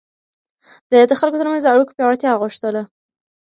ده د خلکو ترمنځ د اړيکو پياوړتيا غوښتله.